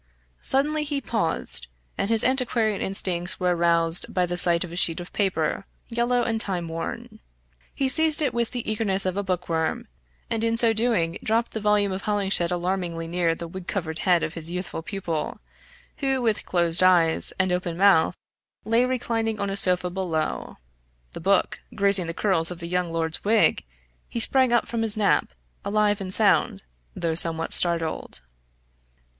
Suddenly he paused, and his antiquarian instincts were aroused by the sight of a sheet of paper, yellow and time worn. He seized it with the eagerness of a book worm, and in so doing dropped the volume of Hollinshed alarmingly near the wig covered head of his youthful pupil, who with closed eyes, and open mouth, lay reclining on a sofa below. The book, grazing the curls of the young lord's wig, he sprang up from his nap, alive and sound, though somewhat startled.